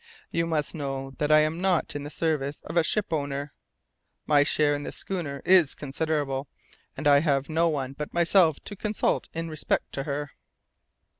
You must know that I am not in the service of a shipowner. My share in the schooner is considerable, and I have no one but myself to consult in respect to her."